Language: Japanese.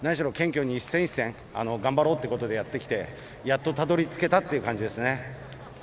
謙虚に一戦一戦、頑張ろうということでやってきてやっとたどりつけたという感じですね。